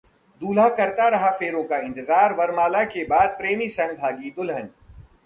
दूल्हा करता रहा फेरों का इंतजार, वरमाला के बाद प्रेमी संग भागी दुल्हन